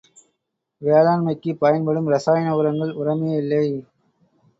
வேளாண்மைக்குப் பயன்படும் இரசாயன உரங்கள் உரமே இல்லை.